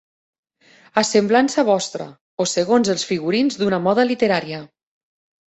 A semblança vostra, o segons els figurins d'una moda literària.